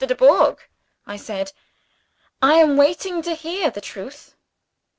Dubourg," I said, "I am waiting to hear the truth."